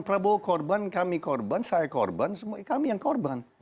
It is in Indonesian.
prabowo korban kami korban saya korban kami yang korban